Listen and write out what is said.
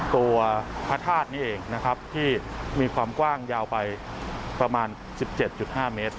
ตัวพระธาตุนี้เองนะครับที่มีความกว้างยาวไปประมาณ๑๗๕เมตร